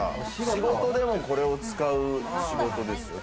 仕事でもこれを使う仕事ですよ。